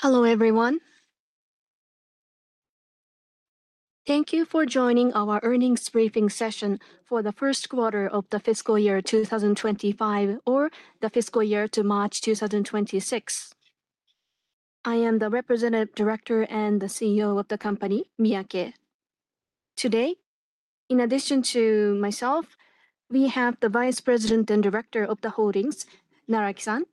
Hello, everyone. Thank you for joining our Earnings Briefing Session for the first quarter of the fiscal year 2025 or the fiscal year to March 2026. I am the Representative Director and the CEO of the company, Miyake. Today, in addition to myself, we have the Vice President and Director of the Holdings, Naraki-san,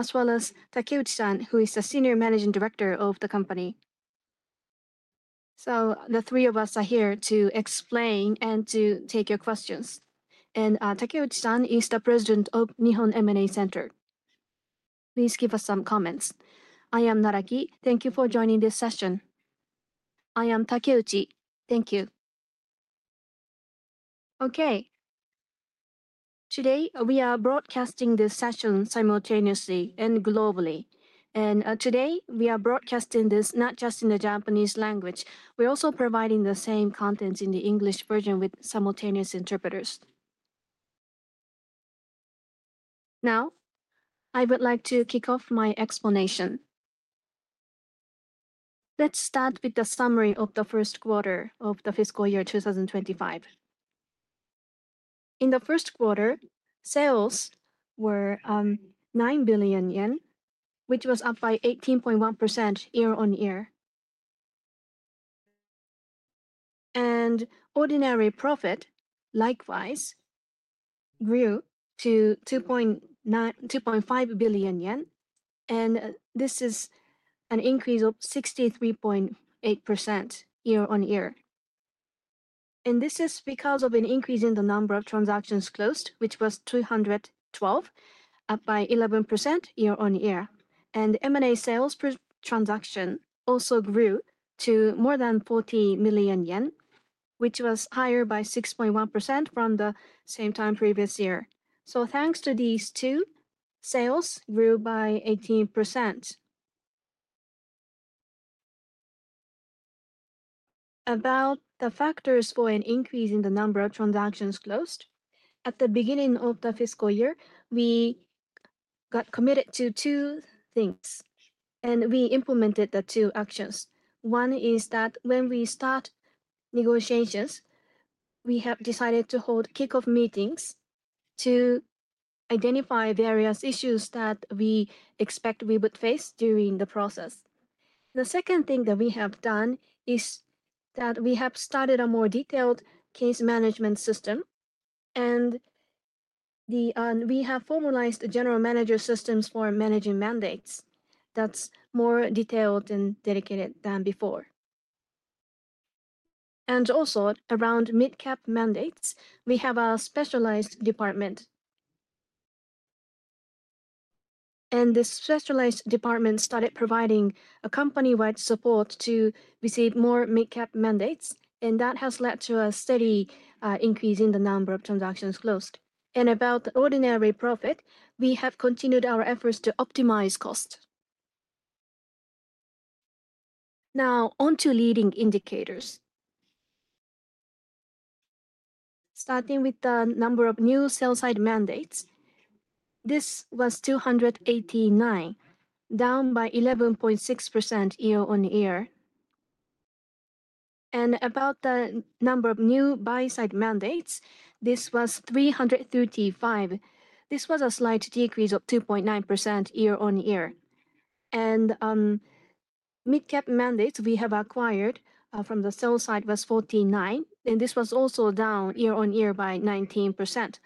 as well as Takeuchi-san, who is the Senior Managing Director of the company. The three of us are here to explain and to take your questions. Takeuchi-san is the President of Nihon M&A Center Inc. Please give us some comments. I am Naraki. Thank you for joining this session. I am Takeuchi. Thank you. Today, we are broadcasting this session simultaneously and globally. Today, we are broadcasting this not just in the Japanese language. We're also providing the same content in the English version with simultaneous interpreters. Now, I would like to kick off my explanation. Let's start with the summary of the first quarter of the fiscal year 2025. In the first quarter, sales were 9 billion yen, which was up by 18.1% year on year. Ordinary profit, likewise, grew to 2.5 billion yen. This is an increase of 63.8% year on year. This is because of an increase in the number of transactions closed, which was 212, up by 11% year on year. M&A sales per transaction also grew to more than 40 million yen, which was higher by 6.1% from the same time previous year. Thanks to these two, sales grew by 18%. About the factors for an increase in the number of transactions closed, at the beginning of the fiscal year, we got committed to two things. We implemented the two actions. One is that when we start negotiations, we have decided to hold kickoff meetings to identify various issues that we expect we would face during the process. The second thing that we have done is that we have started a more detailed case management system. We have formalized the general manager systems for managing mandates. That's more detailed and dedicated than before. Around mid-cap mandates, we have a specialized department. This specialized department started providing company-wide support to receive more mid-cap mandates. That has led to a steady increase in the number of transactions closed. About the ordinary profit, we have continued our efforts to optimize costs. Now, on to leading indicators. Starting with the number of new sell-side mandates, this was 289, down by 11.6% year on year. About the number of new buy-side mandates, this was 335. This was a slight decrease of 2.9% year on year. Mid-cap mandates we have acquired from the sell-side was 49. This was also down year on year by 19%.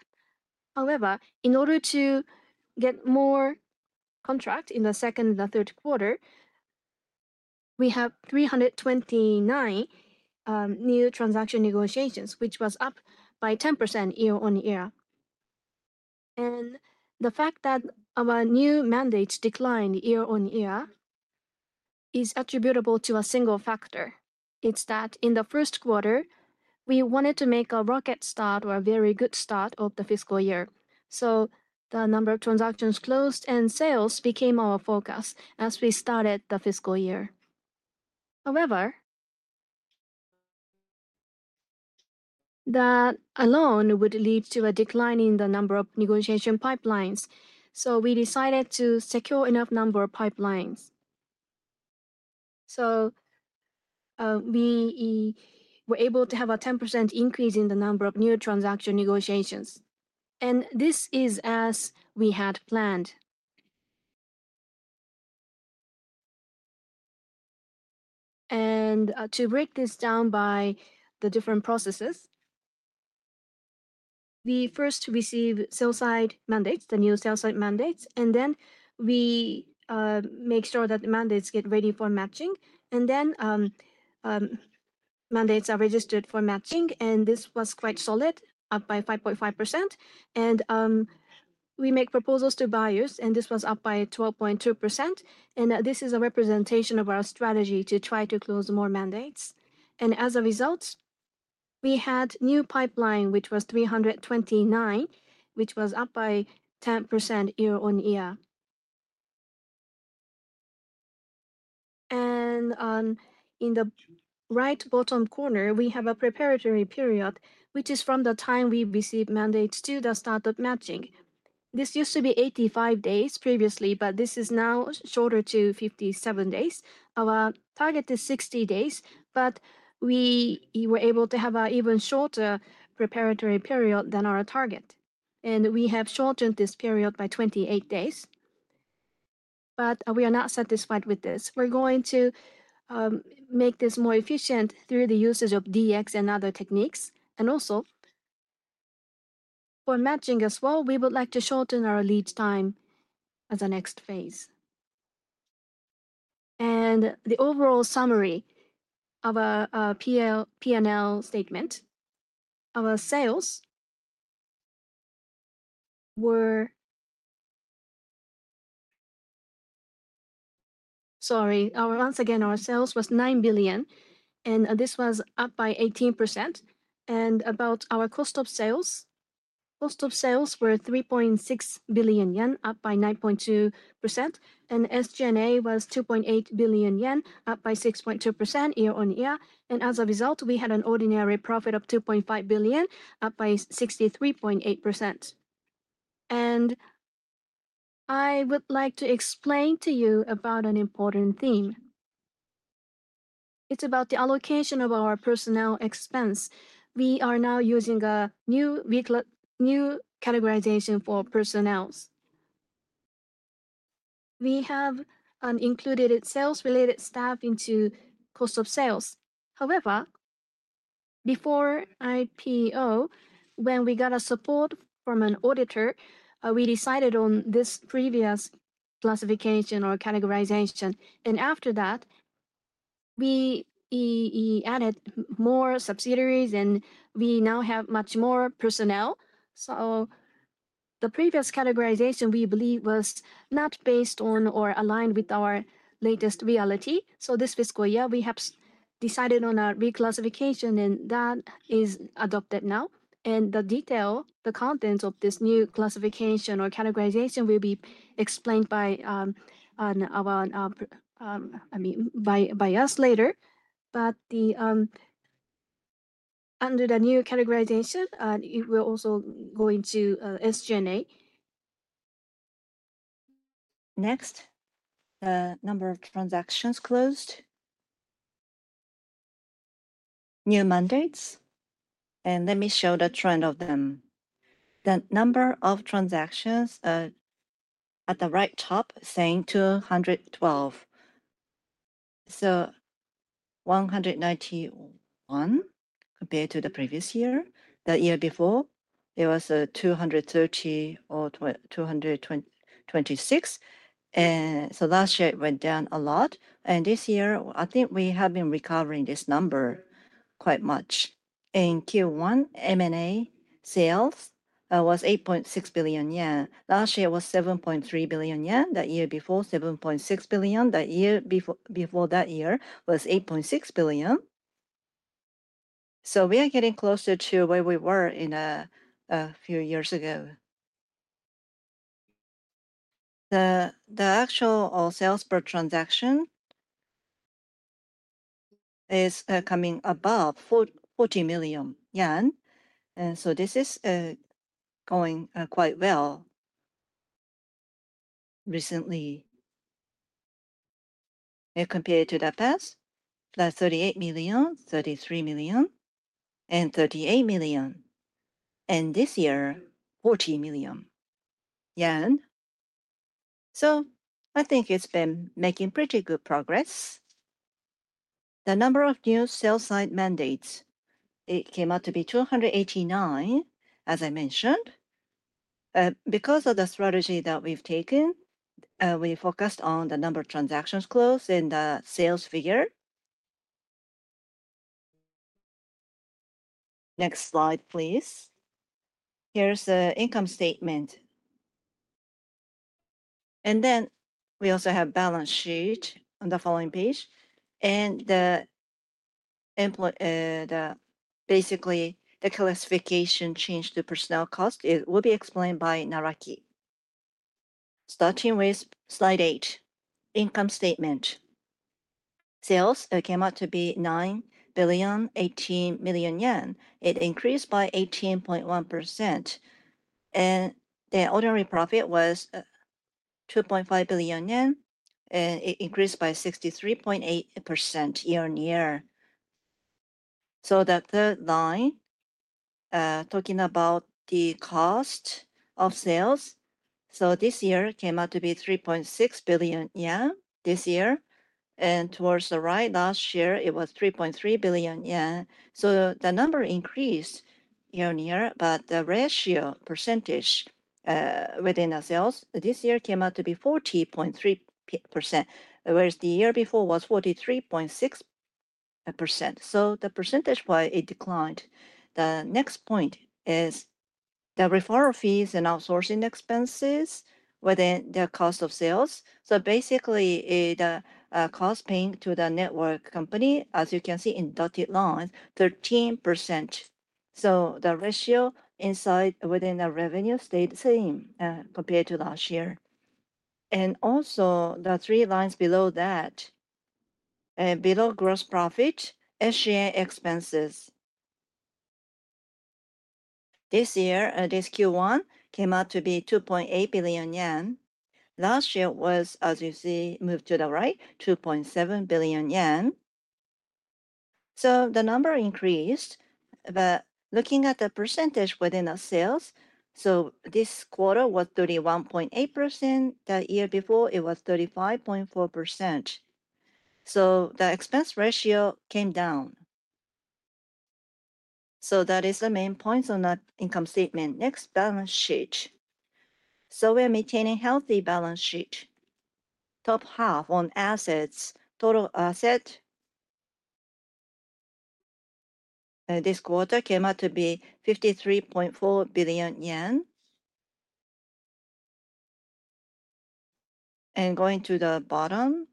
However, in order to get more contracts in the second and the third quarter, we have 329 new transaction negotiations, which was up by 10% year on year. The fact that our new mandates declined year on year is attributable to a single factor. It's that in the first quarter, we wanted to make a rocket start or a very good start of the fiscal year. The number of transactions closed and sales became our focus as we started the fiscal year. However, that alone would lead to a decline in the number of negotiation pipelines. We decided to secure enough number of pipelines. We were able to have a 10% increase in the number of new transaction negotiations. This is as we had planned. To break this down by the different processes, we first receive sell-side mandates, the new sell-side mandates. We make sure that the mandates get ready for matching. Mandates are registered for matching, and this was quite solid, up by 5.5%. We make proposals to buyers, and this was up by 12.2%. This is a representation of our strategy to try to close more mandates. As a result, we had a new pipeline, which was 329, which was up by 10% year on year. In the right bottom corner, we have a preparatory period, which is from the time we receive mandates to the start of matching. This used to be 85 days previously, but this is now shorter to 57 days. Our target is 60 days, but we were able to have an even shorter preparatory period than our target. We have shortened this period by 28 days. We are not satisfied with this. We are going to make this more efficient through the usage of DX and other techniques. Also, for matching as well, we would like to shorten our lead time as the next phase. The overall summary of our P&L statement, our sales were, sorry, once again, our sales was 9 billion. This was up by 18%. About our cost of sales, cost of sales were 3.6 billion yen, up by 9.2%. SG&A was 2.8 billion yen, up by 6.2% year on year. As a result, we had an ordinary profit of 2.5 billion, up by 63.8%. I would like to explain to you about an important theme. It's about the allocation of our personnel expense. We are now using a new categorization for personnels. We have included sales-related staff into cost of sales. However, before IPO, when we got support from an auditor, we decided on this previous classification or categorization. After that, we added more subsidiaries and we now have much more personnel. The previous categorization we believe was not based on or aligned with our latest reality. This fiscal year, we have decided on a reclassification and that is adopted now. The detail, the contents of this new classification or categorization will be explained by us later. Under the new categorization, we're also going to SG&A. Next, the number of transactions closed, new mandates. Let me show the trend of them. The number of transactions at the right top is saying 212. 191 compared to the previous year. The year before, it was 230 or 226. Last year, it went down a lot. This year, I think we have been recovering this number quite much. Q1, M&A sales was 8.6 billion yen. Last year was 7.3 billion yen. The year before, 7.6 billion. The year before that year was 8.6 billion. We are getting closer to where we were a few years ago. The actual sales per transaction is coming above 40 million yen. This is going quite well recently compared to the past. +38 million, 33 million, and 38 million. This year, 40 million yen. I think it's been making pretty good progress. The number of new sell-side mandates, it came out to be 289, as I mentioned. Because of the strategy that we've taken, we focused on the number of transactions closed and the sales figure. Next slide, please. Here's the income statement. We also have a balance sheet on the following page. Basically, the classification change to personnel cost will be explained by Naraki. Starting with slide eight, income statement. Sales came out to be 9,018 million yen. It increased by 18.1%. The ordinary profit was 2.5 billion yen. It increased by 63.8% year on year. The third line, talking about the cost of sales. This year came out to be 3.6 billion yen this year. Towards the right, last year, it was 3.3 billion yen. The number increased year on year, but the ratio percentage within our sales this year came out to be 40.3%, whereas the year before was 43.6%. Percentage-wise, it declined. The next point is the referral fees and outsourcing expenses within the cost of sales. Basically, the cost paying to the network company, as you can see in the dotted line, 13%. The ratio inside within the revenue stayed the same compared to last year. The three lines below that, below gross profit, SG&A expenses. This year, this Q1 came out to be 2.8 billion yen. Last year was, as you see, moved to the right, 2.7 billion yen. The number increased, but looking at the percentage within our sales, this quarter was 31.8%. The year before, it was 35.4%. The expense ratio came down. That is the main points on the income statement. Next, balance sheet. We are maintaining a healthy balance sheet. Top half on assets, total asset. This quarter came out to be 53.4 billion yen. Going to the bottom,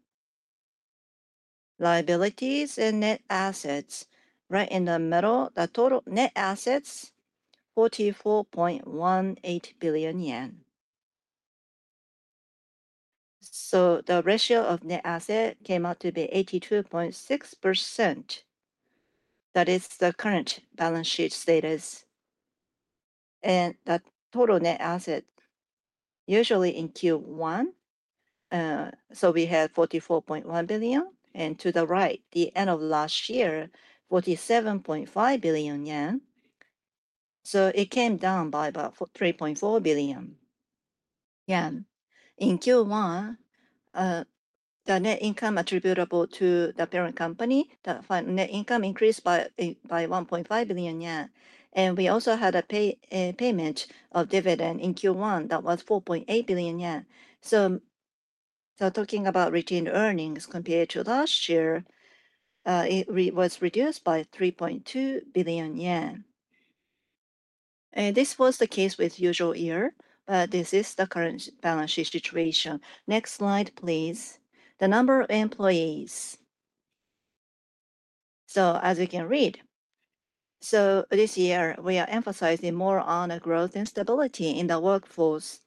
liabilities and net assets. Right in the middle, the total net assets, JPY 44.18 billion. The ratio of net assets came out to be 82.6%. That is the current balance sheet status. The total net assets, usually in Q1, we have 44.1 billion. To the right, the end of last year, 47.5 billion yen. It came down by about 3.4 billion yen. In Q1, the net income attributable to the parent company, the net income increased by 1.5 billion yen. We also had a payment of dividend in Q1 that was 4.8 billion yen. Talking about routine earnings compared to last year, it was reduced by 3.2 billion yen. This was the case with the usual year, but this is the current balance sheet situation. Next slide, please. The number of employees. As you can read, this year, we are emphasizing more on growth and stability in the workforce.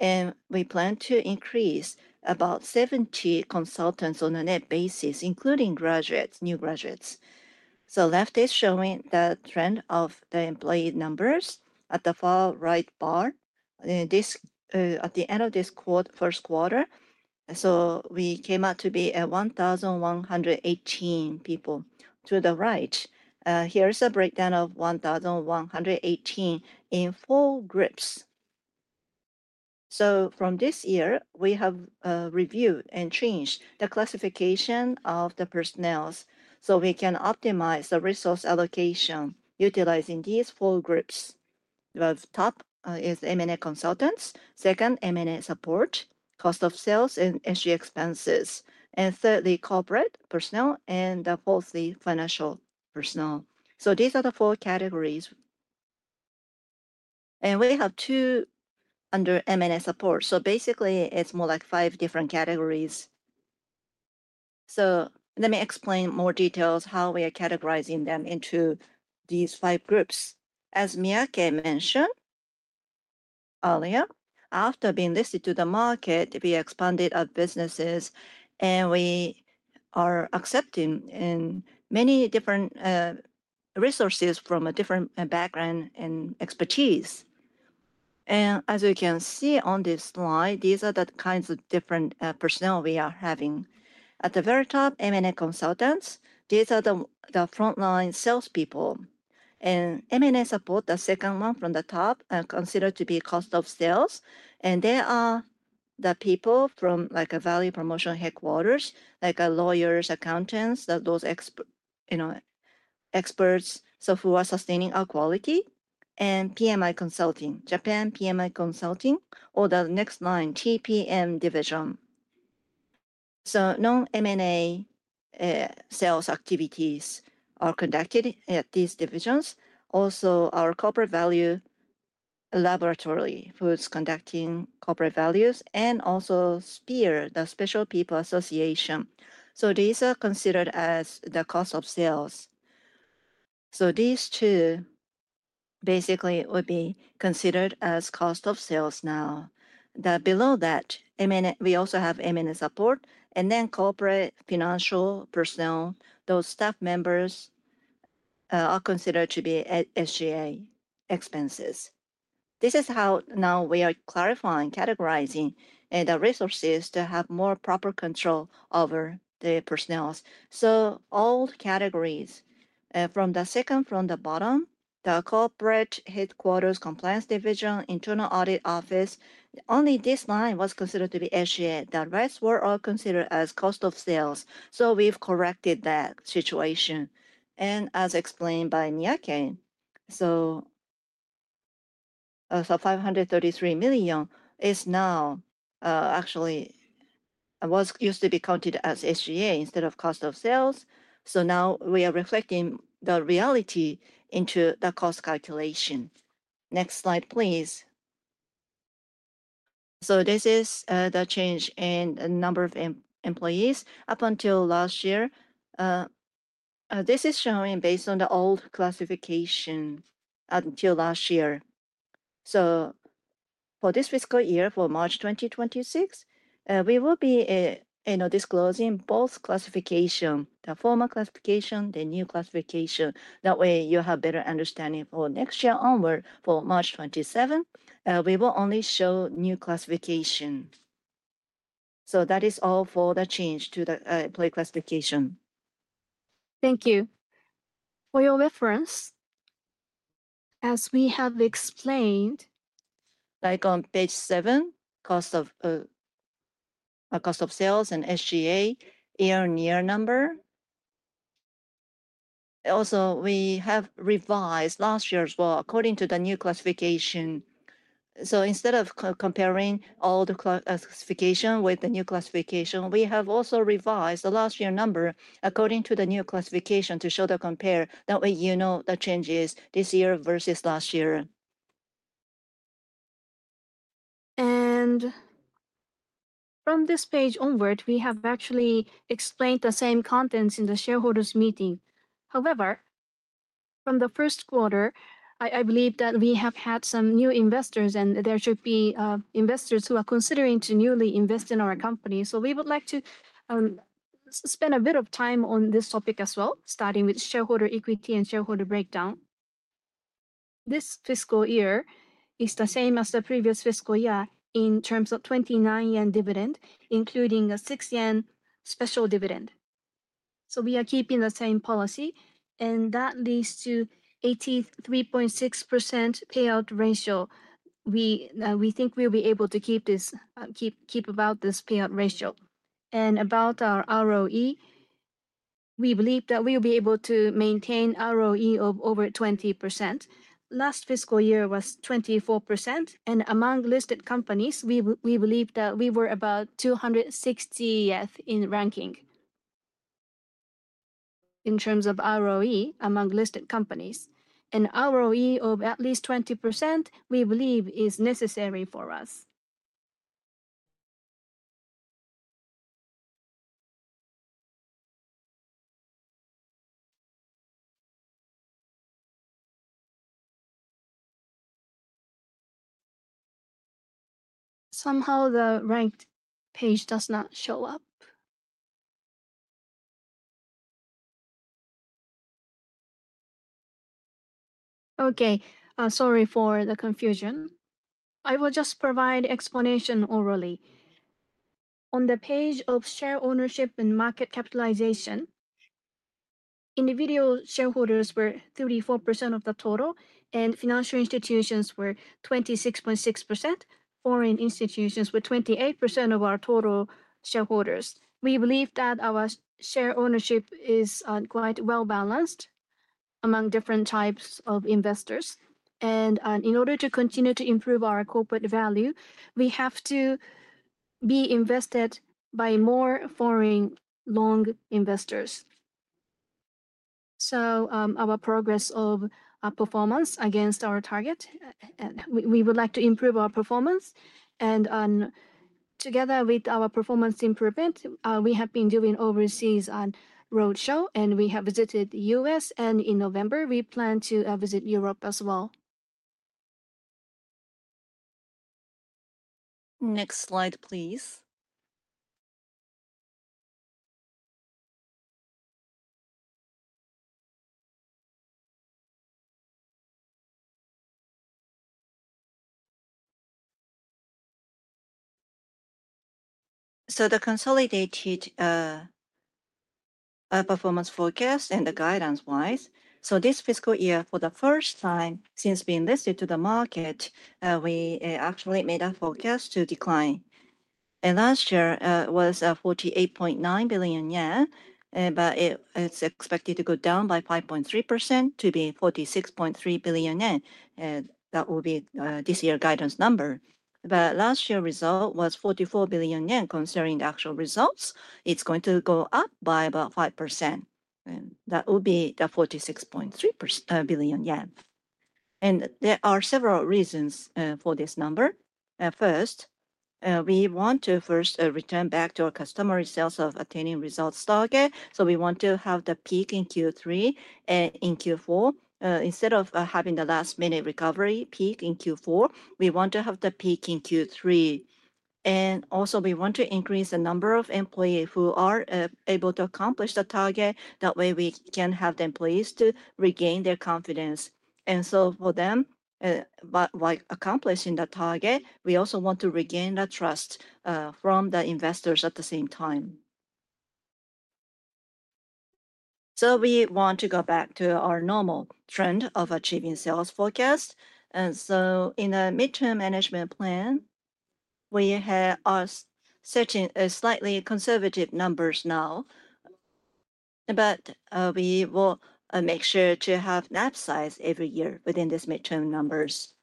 We plan to increase about 70 consultants on a net basis, including new graduates. Left is showing the trend of the employee numbers at the far right bar. At the end of this quarter, first quarter, we came out to be at 1,118 people. To the right, here's a breakdown of 1,118 in four groups. From this year, we have reviewed and changed the classification of the personnels. We can optimize the resource allocation utilizing these four groups. The top is M&A Consultants, second, M&A Support, cost of sales, and SG expenses. Thirdly, corporate personnel, and fourthly, financial personnel. These are the four categories. We have two under M&A Support. Basically, it's more like five different categories. Let me explain more details how we are categorizing them into these five groups. As Miyake mentioned earlier, after being listed to the market, we expanded our businesses and we are accepting many different resources from a different background and expertise. As you can see on this slide, these are the kinds of different personnel we are having. At the very top, M&A Consultants. These are the frontline salespeople. M&A Support, the second one from the top, are considered to be cost of sales. They are the people from like a value promotion headquarters, like lawyers, accountants, those experts, who are sustaining our quality. Japan PMI Consulting, or the next line, TPM division. Non-M&A sales activities are conducted at these divisions. Also, our Corporate Value Laboratory, who is conducting corporate values, and also SPEER, the Special People Association. These are considered as the cost of sales. These two basically would be considered as cost of sales now. Below that, we also have M&A Support. Then corporate, financial personnel, those staff members are considered to be SG&A expenses. This is how now we are clarifying, categorizing the resources to have more proper control over the personnels. All categories, from the second from the bottom, the corporate headquarters, compliance division, internal audit office, only this line was considered to be SG&A. The rest were all considered as cost of sales. We've corrected that situation. As explained by Miyake, 533 million is now actually what used to be counted as SG&A instead of cost of sales. Now we are reflecting the reality into the cost calculation. Next slide, please. This is the change in the number of employees up until last year. This is showing based on the old classification up until last year. For this fiscal year, for March 2026, we will be disclosing both classifications, the former classification, the new classification. That way, you have a better understanding for next year onward. For March 2027, we will only show new classification. That is all for the change to the employee classification. Thank you for your reference. As we have explained, like on page seven, cost of sales and SG&A year-on-year number. Also, we have revised last year as well according to the new classification. Instead of comparing old classification with the new classification, we have also revised the last year number according to the new classification to show the compare. That way, you know the changes this year versus last year. From this page onward, we have actually explained the same contents in the shareholders' meeting. However, from the first quarter, I believe that we have had some new investors, and there should be investors who are considering to newly invest in our company. We would like to spend a bit of time on this topic as well, starting with shareholder equity and shareholder breakdown. This fiscal year is the same as the previous fiscal year in terms of 29 yen dividend, including a 6 yen special dividend. We are keeping the same policy, and that leads to 83.6% payout ratio. We think we'll be able to keep this payout ratio. About our ROE, we believe that we'll be able to maintain ROE of over 20%. Last fiscal year was 24%. Among listed companies, we believe that we were about 260th in ranking in terms of ROE among listed companies. ROE of at least 20%, we believe, is necessary for us. Somehow, the ranked page does not show up. Sorry for the confusion. I will just provide explanation orally. On the page of share ownership and market capitalization, individual shareholders were 34% of the total, and financial institutions were 26.6%. Foreign institutions were 28% of our total shareholders. We believe that our share ownership is quite well balanced among different types of investors. In order to continue to improve our corporate value, we have to be invested by more foreign long investors. Our progress of performance against our target, we would like to improve our performance. Together with our performance improvement, we have been doing overseas roadshows, and we have visited the U.S. In November, we plan to visit Europe as well. Next slide, please. The consolidated performance forecast and the guidance-wise. This fiscal year, for the first time since being listed to the market, we actually made a forecast to decline. Last year was 48.9 billion yen, but it's expected to go down by 5.3% to be 46.3 billion yen. That will be this year's guidance number. Last year's result was 44 billion yen. Concerning the actual results, it's going to go up by about 5%. That will be the 46.3 billion yen. There are several reasons for this number. First, we want to first return back to our customer results of attaining results target. We want to have the peak in Q3. In Q4, instead of having the last minute recovery peak in Q4, we want to have the peak in Q3. We want to increase the number of employees who are able to accomplish the target. That way, we can have the employees regain their confidence. For them, while accomplishing the target, we also want to regain the trust from the investors at the same time. We want to go back to our normal trend of achieving sales forecasts. In the mid-term management plan, we are setting slightly conservative numbers now. We will make sure to have the upsides every year within these mid-term numbers.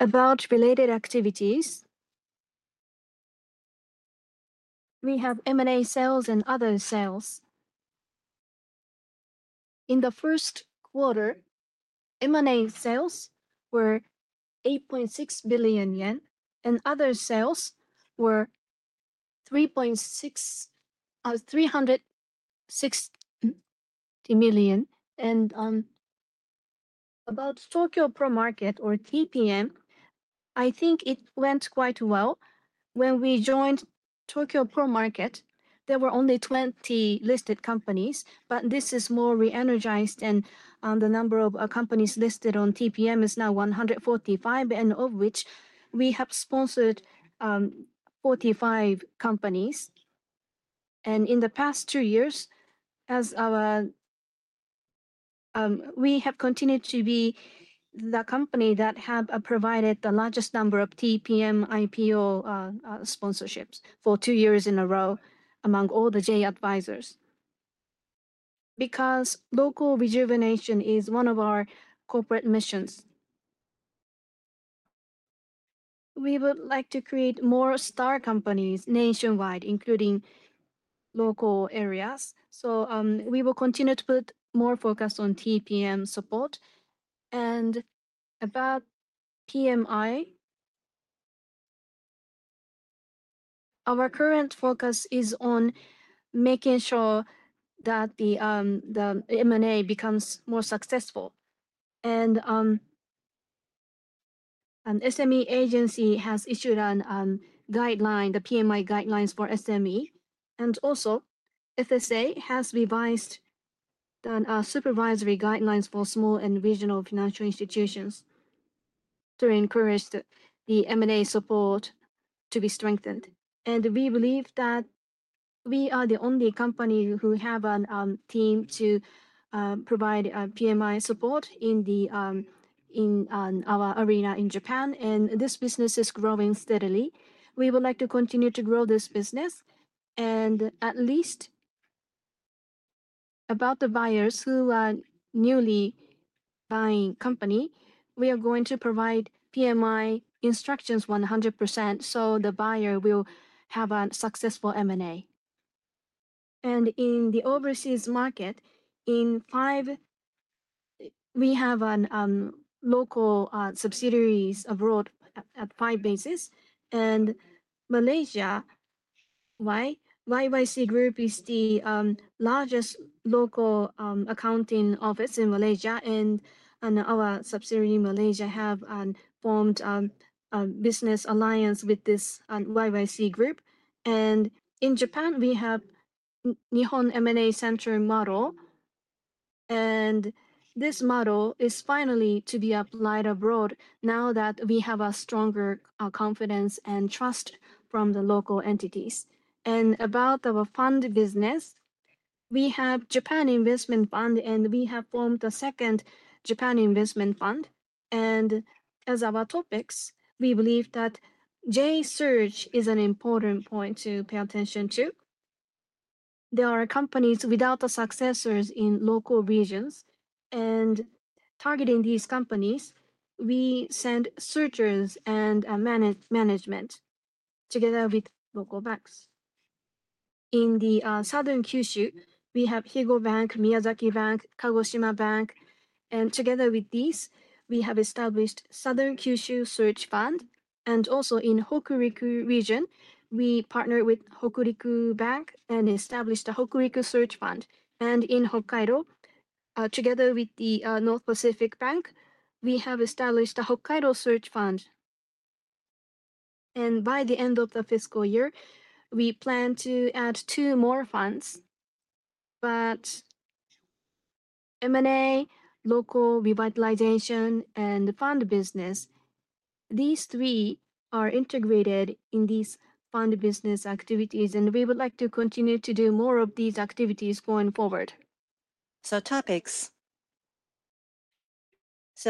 About related activities, we have M&A sales and other sales. In the first quarter, M&A sales were 8.6 billion yen, and other sales were 360 million. Tokyo Pro Market or TPM, I think it went quite well. When we Tokyo Pro Market, there were only 20 listed companies, but this is more re-energized. The number of companies listed on TPM is now 145, of which we have sponsored 45 companies. In the past two years, we have continued to be the company that has provided the largest number of TPM IPO sponsorships for two years in a row among all the J-Advisors. Local rejuvenation is one of our corporate missions. We would like to create more star companies nationwide, including local areas. We will continue to put more focus on TPM support. About PMI, our current focus is on making sure that the M&A becomes more successful. An SME Agency has issued a guideline, the PMI guidelines for SME. FSA has revised the supervisory guidelines for small and regional financial institutions to encourage the M&A Support to be strengthened. We believe that we are the only company who has a team to provide PMI support in our arena in Japan. This business is growing steadily. We would like to continue to grow this business. At least about the buyers who are newly buying companies, we are going to provide PMI instructions 100% so the buyer will have a successful M&A. In the overseas market, we have local subsidiaries abroad at five bases. In Malaysia, YYC Group is the largest local accounting office in Malaysia. Our subsidiary in Malaysia has formed a business alliance with the YYC Group. In Japan, we have the Nihon M&A Center model. This model is finally to be applied abroad now that we have stronger confidence and trust from the local entities. About our fund business, we have the Japan Investment Fund, and we have formed the second Japan Investment Fund. As our topics, we believe that J Surge is an important point to pay attention to. There are companies without successors in local regions. Targeting these companies, we send searchers and management together with local banks. In southern Kyushu, we have Higo Bank, Miyazaki Bank, and Kagoshima Bank. Together with these, we have established the Southern Kyushu Search Fund. In the Hokuriku region, we partnered with Hokuriku Bank and established the Hokuriku Search Fund. In Hokkaido, together with the North Pacific Bank, we have established the Hokkaido Search Fund. By the end of the fiscal year, we plan to add two more funds. M&A, local revitalization, and the fund business, these three are integrated in these fund business activities. We would like to continue to do more of these activities going forward.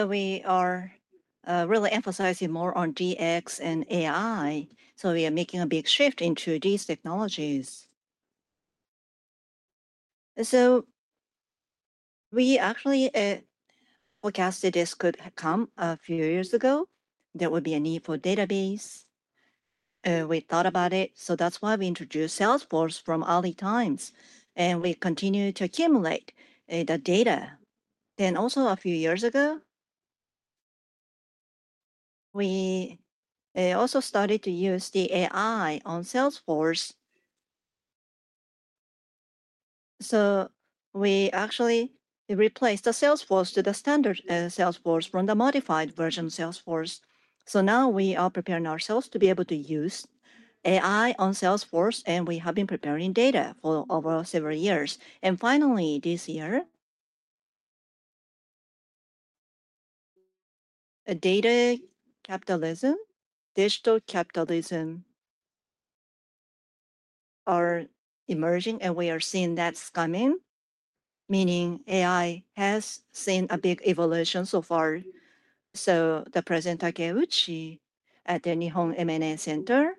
We are really emphasizing more on DX and AI. We are making a big shift into these technologies. We actually forecasted this could come a few years ago. There would be a need for a database. We thought about it. That's why we introduced Salesforce from early times, and we continue to accumulate the data. A few years ago, we also started to use the AI on Salesforce. We actually replaced the Salesforce with the standard Salesforce from the modified version of Salesforce. Now we are preparing ourselves to be able to use AI on Salesforce, and we have been preparing data for over several years. Finally, this year, data capitalism, digital capitalism are emerging. We are seeing that's coming, meaning AI has seen a big evolution so far. The presenter, Naoki Takeuchi, at Nihon M&A Center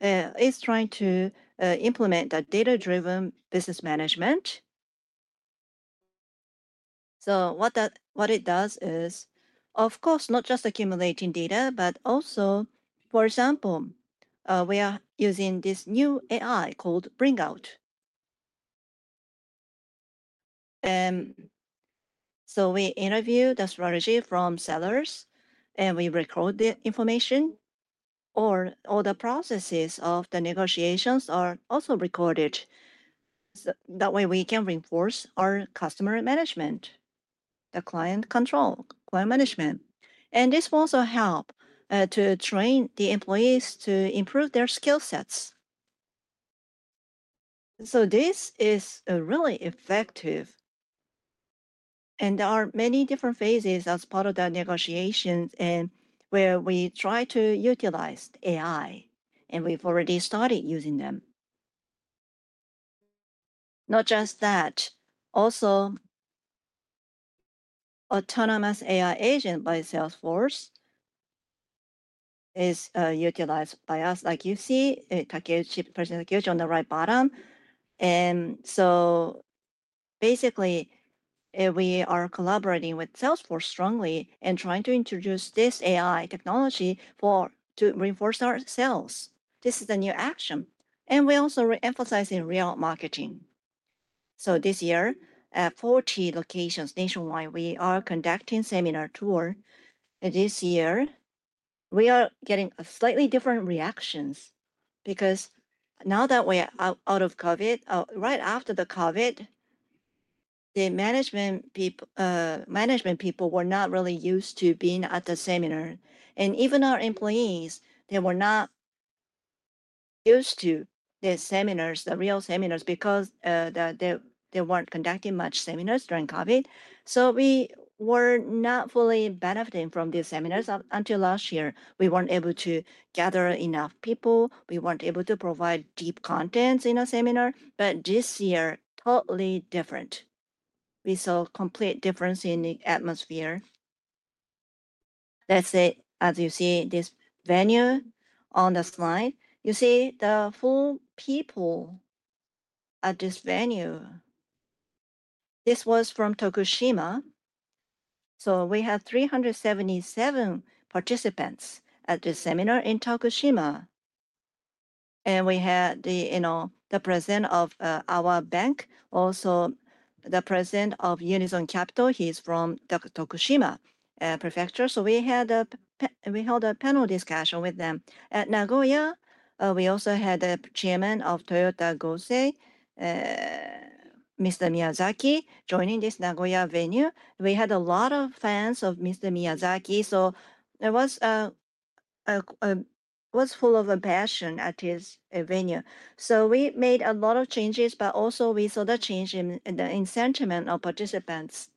is trying to implement the data-driven business management. What it does is, of course, not just accumulating data, but also, for example, we are using this new AI called Bring Out Inc. We interview the strategy from sellers, and we record the information. All the processes of the negotiations are also recorded. That way, we can reinforce our customer management, the client control, client management. This will also help to train the employees to improve their skill sets. This is really effective. There are many different phases as part of the negotiations where we try to utilize AI, and we've already started using them. Not just that, also Autonomous AI Agent by Salesforce is utilized by us, like you see Takeuchi's presentation on the right bottom. We are collaborating with Salesforce strongly and trying to introduce this AI technology to reinforce ourselves. This is a new action. We're also emphasizing real marketing. This year, at 40 locations nationwide, we are conducting a seminar tour. This year, we are getting slightly different reactions because now that we're out of COVID, right after the COVID, the management people were not really used to being at the seminar. Even our employees, they were not used to the seminars, the real seminars, because they weren't conducting much seminars during COVID. We were not fully benefiting from these seminars until last year. We weren't able to gather enough people. We weren't able to provide deep content in a seminar. This year, totally different. We saw a complete difference in the atmosphere. Let's say, as you see this venue on the slide, you see the full people at this venue. This was from Tokushima. We had 377 participants at this seminar in Tokushima. We had the President of our bank, also the President of Unison Capital. He's from the Tokushima Prefecture. We had a panel discussion with them. At Nagoya, we also had the Chairman of Toyoda Gosei, Mr. Miyazaki, joining this Nagoya venue. We had a lot of fans of Mr. Miyazaki. It was full of passion at his venue. We made a lot of changes, but also we saw the change in the sentiment of participants.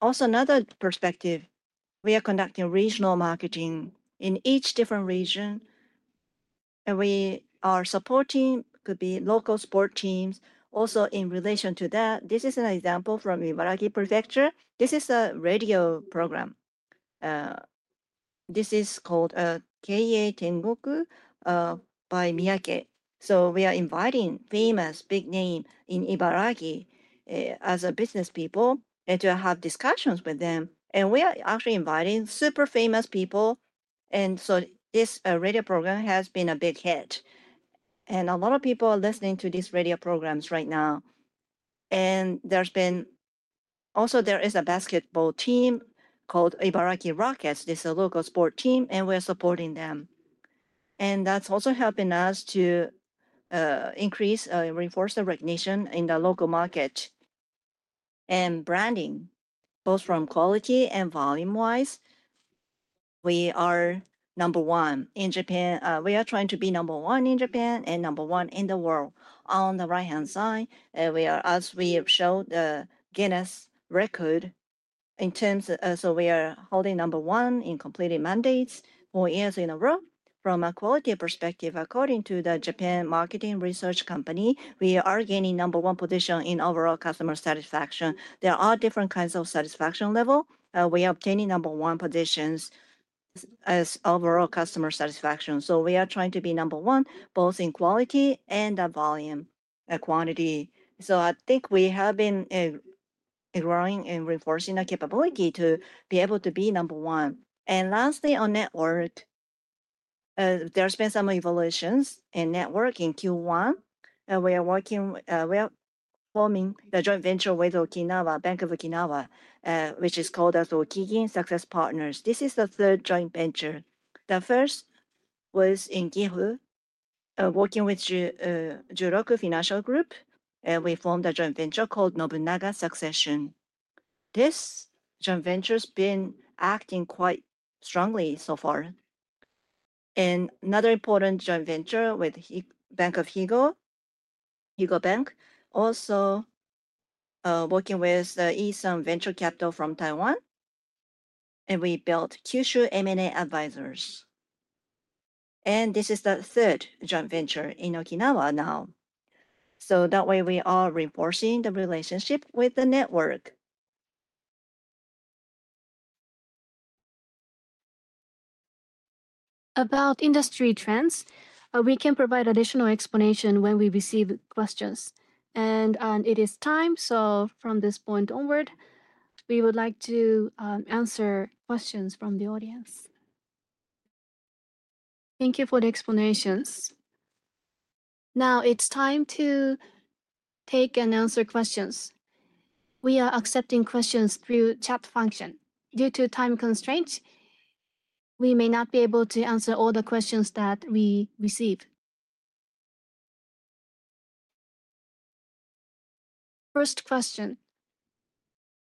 Another perspective, we are conducting regional marketing in each different region. We are supporting local sport teams. In relation to that, this is an example from Ibaraki Prefecture. This is a radio program. This is called Keie Tengoku by Miyake. We are inviting famous big names in Ibaraki as business people to have discussions with them. We are actually inviting super famous people. This radio program has been a big hit. A lot of people are listening to these radio programs right now. There is also a basketball team called Ibaraki Robots. This is a local sport team, and we're supporting them. That's also helping us to increase and reinforce the recognition in the local market. Branding, both from quality and volume-wise, we are number one in Japan. We are trying to be number one in Japan and number one in the world. On the right-hand side, as we showed the Guinness record in terms of, we are holding number one in completing mandates for years in a row. From a quality perspective, according to the Japan Marketing Research Company, we are gaining number one position in overall customer satisfaction. There are different kinds of satisfaction levels. We are obtaining number one positions as overall customer satisfaction. We are trying to be number one, both in quality and volume quantity. I think we have been growing and reinforcing our capability to be able to be number one. Lastly, on network, there's been some evolutions in network in Q1. We are working, we are forming the joint venture with Okinawa, Bank of Okinawa, which is called Okigin Success Partners. This is the third joint venture. The first was in Gifu, working with Juroku Financial Group. We formed a joint venture called Nobunaga Succession. This joint venture has been acting quite strongly so far. Another important joint venture with Higo Bank, also working with E.SUN Venture Capital from Taiwan. We built Kyushu M&A Advisors. This is the third joint venture in Okinawa now. That way, we are reinforcing the relationship with the network. About industry trends, we can provide additional explanation when we receive questions. It is time. From this point onward, we would like to answer questions from the audience. Thank you for the explanations. Now, it's time to take and answer questions. We are accepting questions through the chat function. Due to time constraints, we may not be able to answer all the questions that we receive. First question.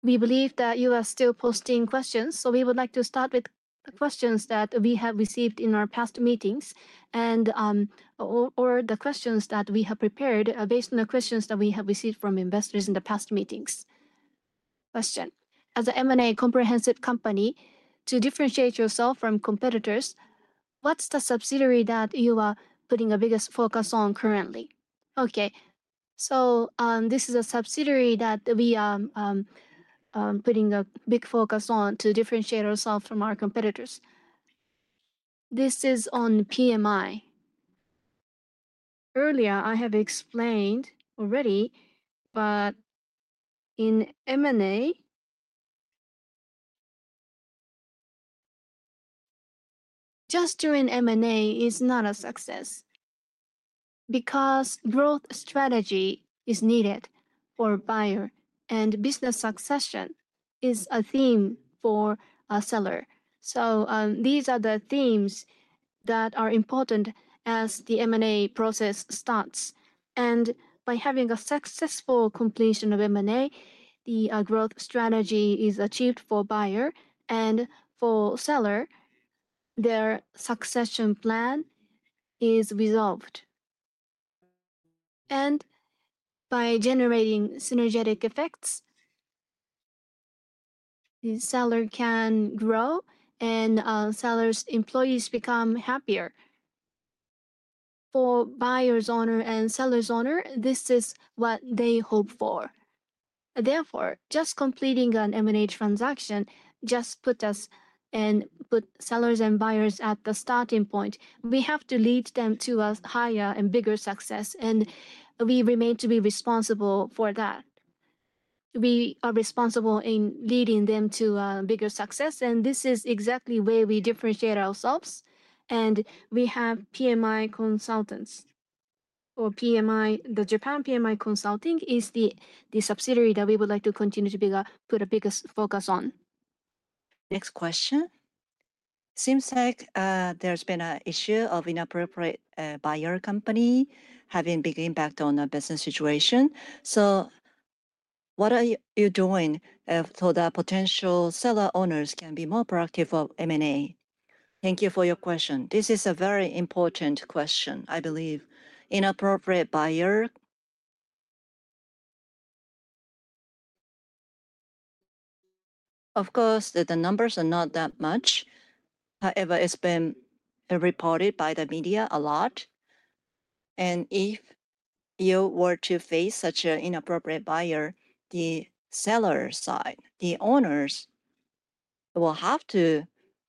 We believe that you are still posting questions. We would like to start with the questions that we have received in our past meetings and/or the questions that we have prepared based on the questions that we have received from investors in the past meetings. Question. As an M&A comprehensive company, to differentiate yourself from competitors, what's the subsidiary that you are putting the biggest focus on currently? Okay. This is a subsidiary that we are putting a big focus on to differentiate ourselves from our competitors. This is on PMI. Earlier, I have explained already, but in M&A, just doing M&A is not a success because growth strategy is needed for a buyer. Business succession is a theme for a seller. These are the themes that are important as the M&A process starts. By having a successful completion of M&A, the growth strategy is achieved for a buyer. For a seller, their succession plan is resolved. By generating synergetic effects, the seller can grow and seller's employees become happier. For buyer's owner and seller's owner, this is what they hope for. Therefore, just completing an M&A transaction just puts us and puts sellers and buyers at the starting point. We have to lead them to a higher and bigger success. We remain to be responsible for that. We are responsible in leading them to a bigger success. This is exactly where we differentiate ourselves. We have PMI Consultants. PMI, the Japan PMI Consulting, is the subsidiary that we would like to continue to put a bigger focus on. Next question. Seems like there's been an issue of inappropriate buyer company having a big impact on the business situation. What are you doing so that potential seller owners can be more proactive of M&A? Thank you for your question. This is a very important question, I believe. Inappropriate buyer, of course, the numbers are not that much. However, it's been reported by the media a lot. If you were to face such an inappropriate buyer, the seller side, the owners will have to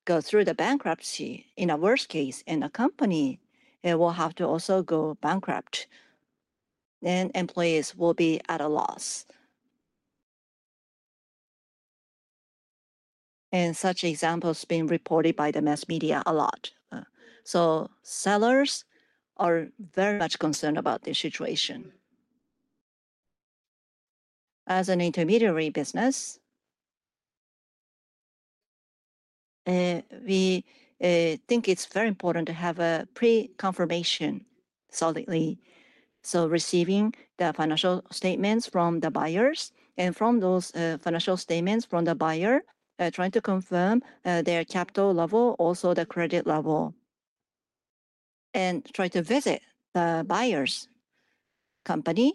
go through the bankruptcy. In a worst case, the company will have to also go bankrupt. Employees will be at a loss. Such examples have been reported by the mass media a lot. Sellers are very much concerned about this situation. As an intermediary business, we think it's very important to have a pre-confirmation solidly. Receiving the financial statements from the buyers and from those financial statements from the buyer, trying to confirm their capital level, also the credit level, and try to visit the buyer's company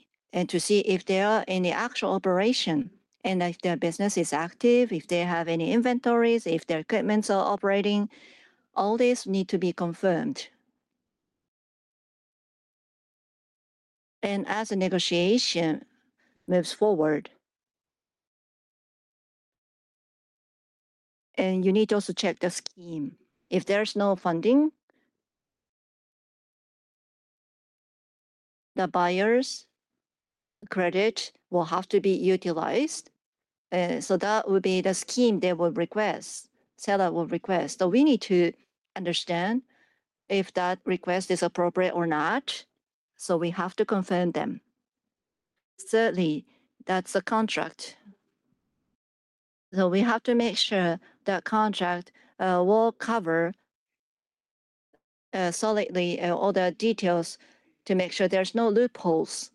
to see if there are any actual operations. If their business is active, if they have any inventories, if their equipment is operating, all these need to be confirmed. As a negotiation moves forward, you need to also check the scheme. If there's no funding, the buyer's credit will have to be utilized. That would be the scheme they will request, seller will request. We need to understand if that request is appropriate or not. We have to confirm them. Thirdly, that's a contract. We have to make sure that the contract will cover solidly all the details to make sure there's no loopholes.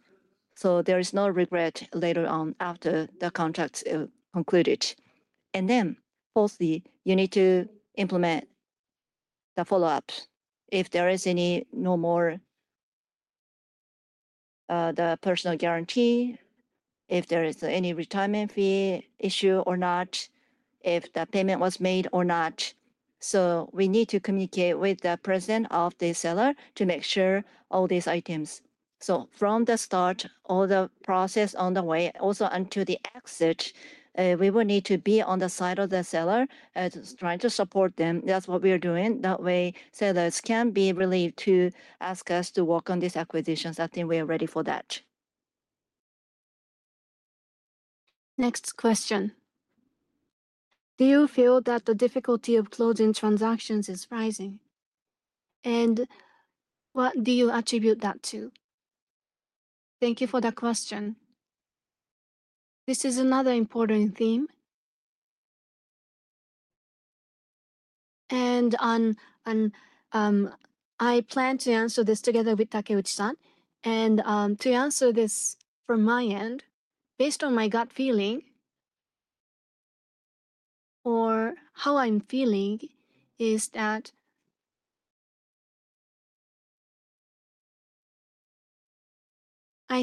There is no regret later on after the contract is concluded. Fourthly, you need to implement the follow-up. If there is any no more, the personal guarantee, if there is any retirement fee issue or not, if the payment was made or not. We need to communicate with the presence of the seller to make sure all these items. From the start, all the process on the way, also until the exit, we will need to be on the side of the seller, trying to support them. That's what we're doing. That way, sellers can be relieved to ask us to work on these acquisitions. I think we are ready for that. Next question. Do you feel that the difficulty of closing transactions is rising? What do you attribute that to? Thank you for the question. This is another important theme. I plan to answer this together with Takeuchi-san. To answer this from my end, based on my gut feeling or how I'm feeling, I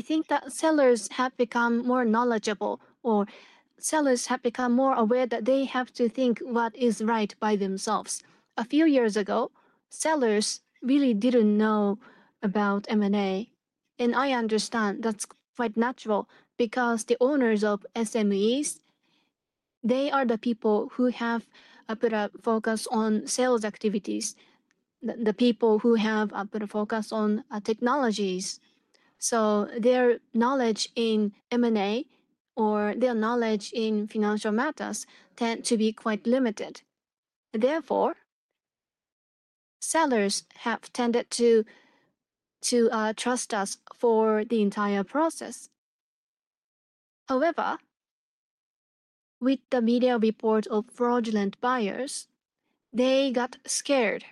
think that sellers have become more knowledgeable or sellers have become more aware that they have to think what is right by themselves. A few years ago, sellers really didn't know about M&A. I understand that's quite natural because the owners of SMEs are the people who have a better focus on sales activities, the people who have a better focus on technologies. Their knowledge in M&A or their knowledge in financial matters tends to be quite limited. Therefore, sellers have tended to trust us for the entire process. However, with the media report of fraudulent buyers, they got scared.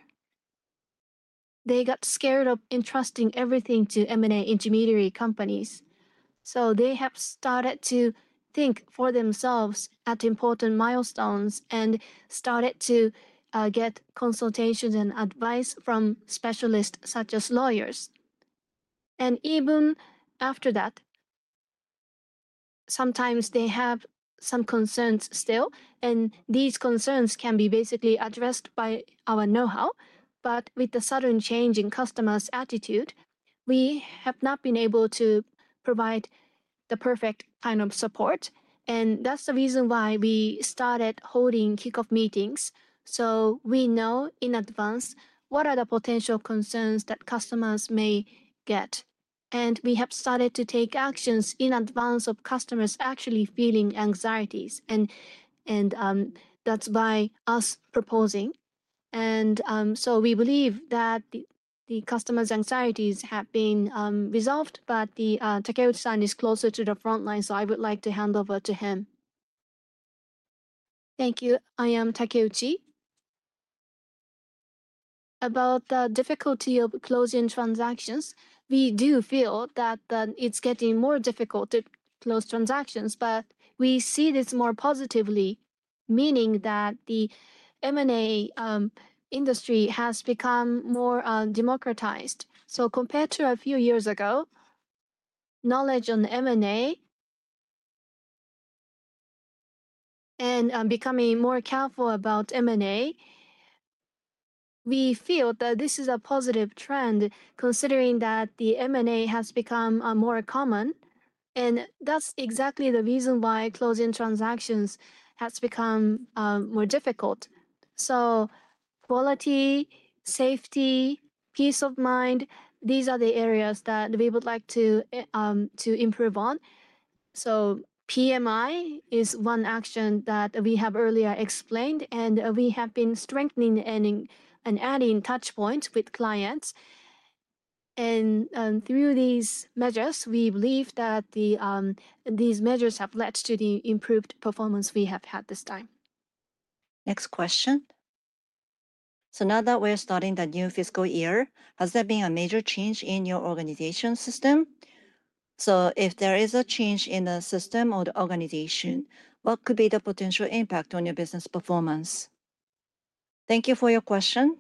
They got scared of entrusting everything to M&A intermediary companies. They have started to think for themselves at important milestones and started to get consultations and advice from specialists such as lawyers. Even after that, sometimes they have some concerns still. These concerns can be basically addressed by our know-how. With the sudden change in customers' attitude, we have not been able to provide the perfect kind of support. That's the reason why we started holding kickoff meetings. We know in advance what are the potential concerns that customers may get. We have started to take actions in advance of customers actually feeling anxieties. That's why us proposing. We believe that the customers' anxieties have been resolved. Takeuchi-san is closer to the front line, so I would like to hand over to him. Thank you. I am Takeuchi. About the difficulty of closing transactions, we do feel that it's getting more difficult to close transactions. We see this more positively, meaning that the M&A industry has become more democratized. Compared to a few years ago, knowledge on M&A and becoming more careful about M&A, we feel that this is a positive trend considering that the M&A has become more common. That's exactly the reason why closing transactions has become more difficult. Quality, safety, peace of mind, these are the areas that we would like to improve on. PMI is one action that we have earlier explained. We have been strengthening and adding touch points with clients. Through these measures, we believe that these measures have led to the improved performance we have had this time. Next question. Now that we're starting the new fiscal year, has there been a major change in your organization system? If there is a change in the system or the organization, what could be the potential impact on your business performance? Thank you for your question.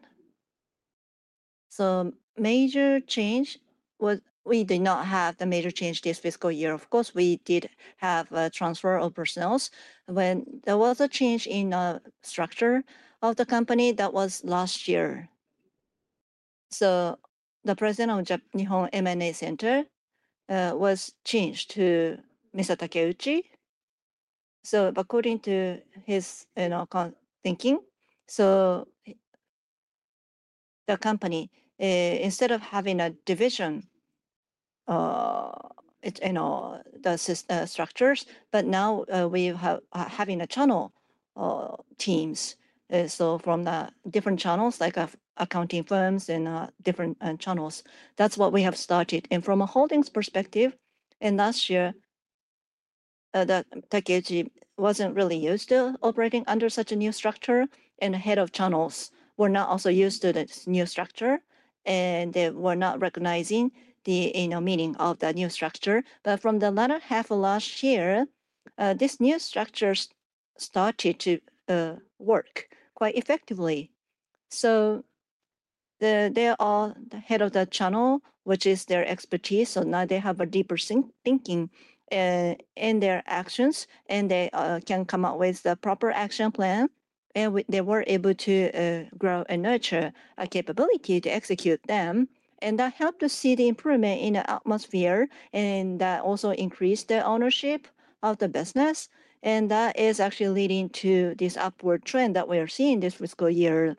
Major change, we did not have the major change this fiscal year. Of course, we did have a transfer of personnel. There was a change in the structure of the company that was last year. The President of Nihon M&A Center Inc. was changed to Mr. Takeuchi. According to his thinking, the company, instead of having a division, the structures, now we are having a channel of teams. From the different channels, like accounting firms and different channels, that's what we have started. From a holdings perspective, last year, Takeuchi wasn't really used to operating under such a new structure. The head of channels were not also used to this new structure. They were not recognizing the meaning of the new structure. From the latter half of last year, this new structure started to work quite effectively. They are all the head of the channel, which is their expertise. Now they have a deeper thinking in their actions. They can come up with the proper action plan. They were able to grow and nurture a capability to execute them. That helped to see the improvement in the atmosphere. That also increased the ownership of the business. That is actually leading to this upward trend that we are seeing this fiscal year.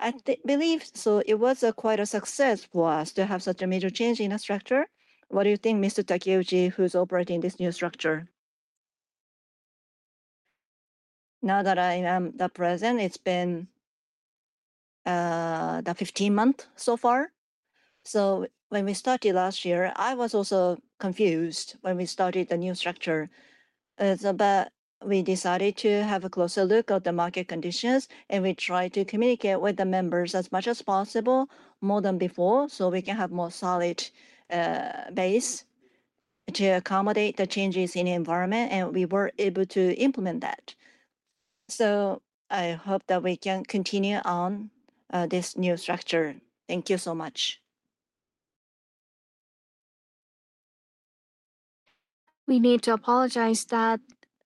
I believe so. It was quite a success for us to have such a major change in the structure. What do you think, Mr. Takeuchi, who's operating this new structure? Now that I am the President, it's been the 15 months so far. When we started last year, I was also confused when we started the new structure. We decided to have a closer look at the market conditions. We tried to communicate with the members as much as possible, more than before, so we can have a more solid base to accommodate the changes in the environment. We were able to implement that. I hope that we can continue on this new structure. Thank you so much. We need to apologize that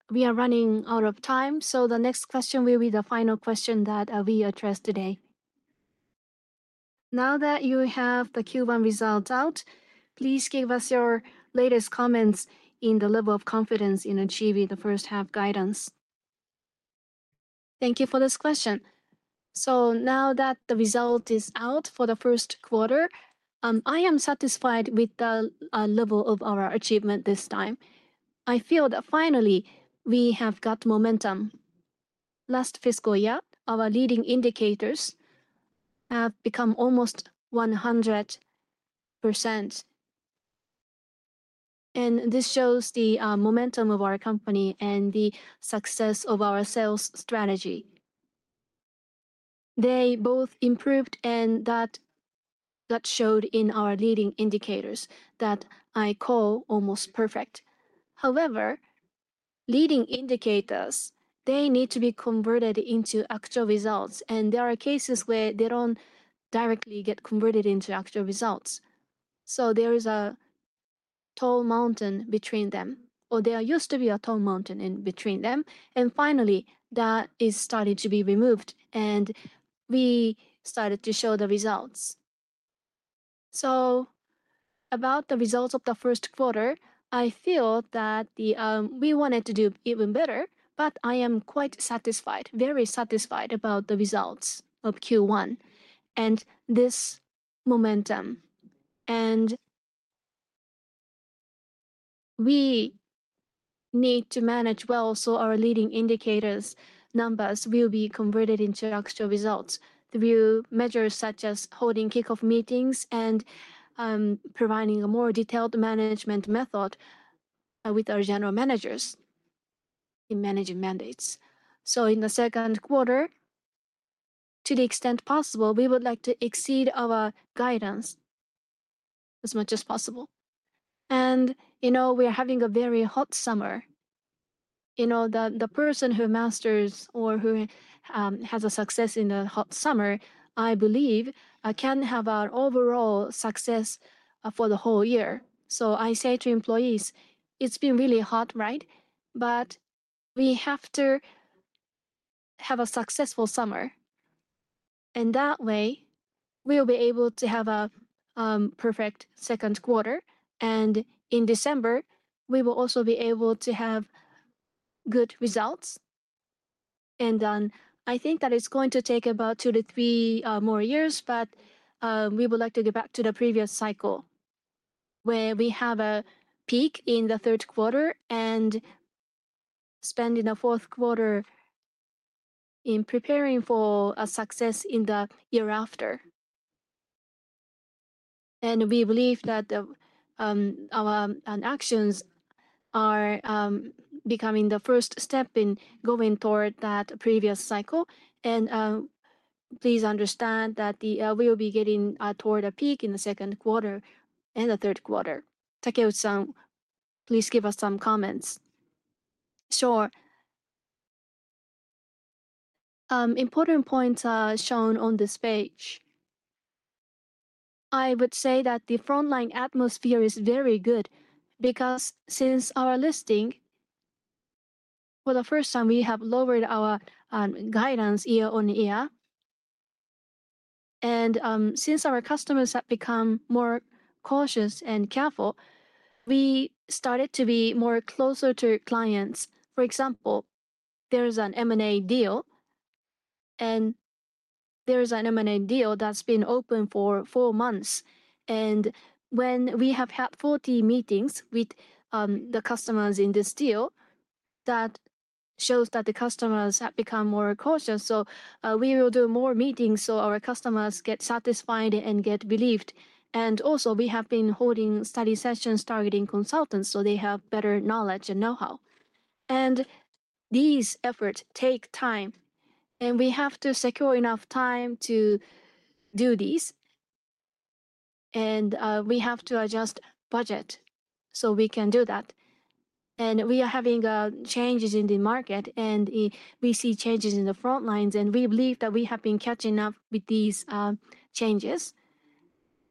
we are running out of time. The next question will be the final question that we address today. Now that you have the Q1 results out, please give us your latest comments on the level of confidence in achieving the first half guidance. Thank you for this question. Now that the result is out for the first quarter, I am satisfied with the level of our achievement this time. I feel that finally, we have got momentum. Last fiscal year, our leading indicators have become almost 100%. This shows the momentum of our company and the success of our sales strategy. They both improved, and that showed in our leading indicators that I call almost perfect. However, leading indicators need to be converted into actual results. There are cases where they don't directly get converted into actual results. There is a tall mountain between them, or there used to be a tall mountain in between them. Finally, that is starting to be removed. We started to show the results. About the results of the first quarter, I feel that we wanted to do even better, but I am quite satisfied, very satisfied about the results of Q1 and this momentum. We need to manage well, so our leading indicators' numbers will be converted into actual results through measures such as holding kickoff meetings and providing a more detailed management method with our General Managers in managing mandates. In the second quarter, to the extent possible, we would like to exceed our guidance as much as possible. We're having a very hot summer. The person who masters or who has a success in the hot summer, I believe, can have an overall success for the whole year. I say to employees, it's been really hot, right? We have to have a successful summer. That way, we'll be able to have a perfect second quarter. In December, we will also be able to have good results. I think that it's going to take about two to three more years, but we would like to go back to the previous cycle where we have a peak in the third quarter and spend in the fourth quarter in preparing for a success in the year after. We believe that our actions are becoming the first step in going toward that previous cycle. Please understand that we will be getting toward a peak in the second quarter and the third quarter. Takeuchi-san, please give us some comments. Sure. Important points are shown on this page. I would say that the frontline atmosphere is very good because since our listing, for the first time, we have lowered our guidance year on year. Since our customers have become more cautious and careful, we started to be more closer to clients. For example, there's an M&A deal that's been open for four months. When we have had 40 meetings with the customers in this deal, that shows that the customers have become more cautious. We will do more meetings so our customers get satisfied and get relieved. We have been holding study sessions targeting consultants so they have better knowledge and know-how. These efforts take time. We have to secure enough time to do these. We have to adjust budget so we can do that. We are having changes in the market. We see changes in the frontlines. We believe that we have been catching up with these changes.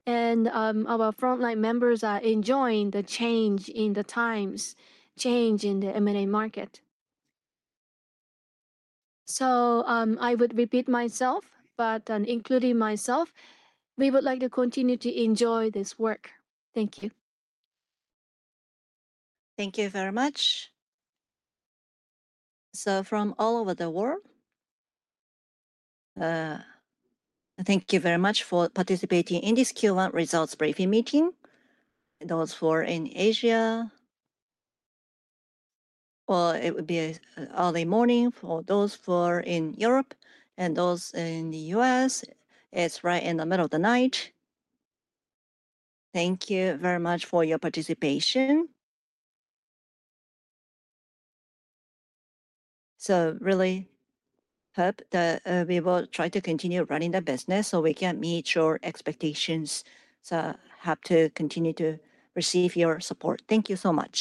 Our frontline members are enjoying the change in the times, change in the M&A market. I would repeat myself, but including myself, we would like to continue to enjoy this work. Thank you. Thank you very much. From all over the world, thank you very much for participating in this Q1 results briefing meeting. Those who are in Asia, it would be early morning. For those who are in Europe and those in the U.S., it's right in the middle of the night. Thank you very much for your participation. I really hope that we will try to continue running the business so we can meet your expectations. I have to continue to receive your support. Thank you so much.